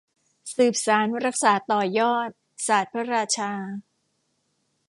สืบสานรักษาต่อยอดศาสตร์พระราชา